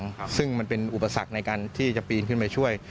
ครับซึ่งมันเป็นอุปสรรคในการที่จะปีนขึ้นไปช่วย